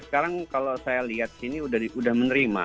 sekarang kalau saya lihat sini sudah menerima